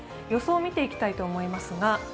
予想を見ていきたいと思います。